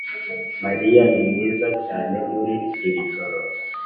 mariya ni mwiza cyane muri iri joro.